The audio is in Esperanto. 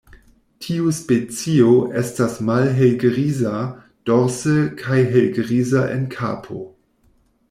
Tiu specio estas malhelgriza dorse kaj helgriza en kapo.